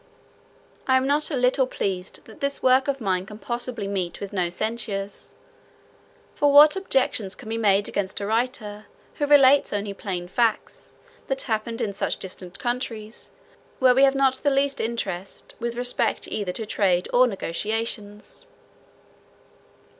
I am not a little pleased that this work of mine can possibly meet with no censurers: for what objections can be made against a writer, who relates only plain facts, that happened in such distant countries, where we have not the least interest, with respect either to trade or negotiations?